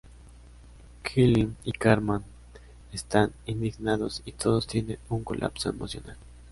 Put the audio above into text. Kyle y Cartman están indignados y todos tienen un colapso emocional.